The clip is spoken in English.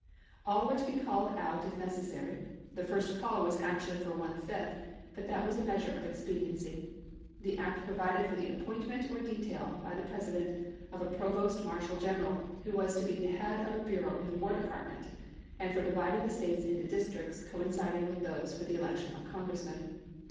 All were to be called out if necessary ; the first call was actually for one fifth, but that was a measure of expediency. The act pro vided for the appointment or detail, by the President, of a provost marshal general, who was to be the head of a bureau in the War Department, and for dividing the States into districts coinciding with those for the election of Congressmen.